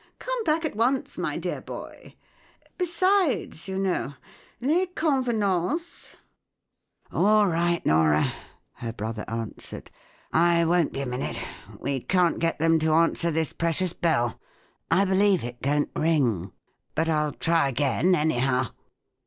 Come back at once, my dear boy. Besides, you know, les convenances /"" All right; Nora," her brother answered ;" I won't be a minute. We can't get them to answer this precious bell. I believe it don't ring! But I'll try again, anyhow."